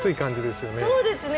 そうですね。